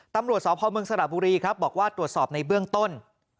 ตำรวจสพเมืองสระบุรีครับบอกว่าตรวจสอบในเบื้องต้น